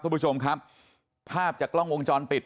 คุณผู้ชมครับภาพจากกล้องวงจรปิด